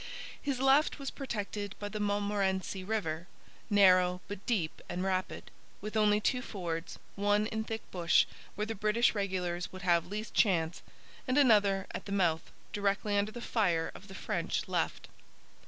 His left was protected by the Montmorency river, narrow, but deep and rapid, with only two fords, one in thick bush, where the British regulars would have least chance, and another at the mouth, directly under the fire of the French left.